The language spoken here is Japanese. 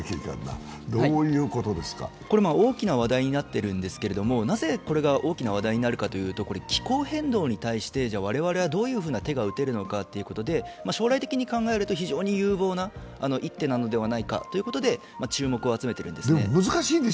これ大きな話題になっているんですけどなぜこれが大きな話題になるかというと気候変動に対して我々はどういうふうな手が打てるのかということで、将来的に考えると非常に有望な一手なのではないかということで注目を集めているんですね。